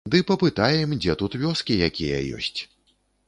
Ды папытаем, дзе тут вёскі якія ёсць.